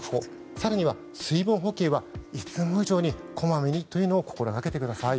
更には、水分補給はいつも以上にこまめにというのを心がけてください。